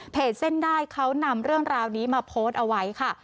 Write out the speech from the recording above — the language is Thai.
เส้นได้เขานำเรื่องราวนี้มาโพสต์เอาไว้ค่ะ